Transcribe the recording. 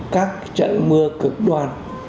các trận mưa cực đoan